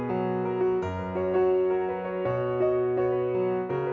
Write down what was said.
โปรดติดตามตอนต่อไป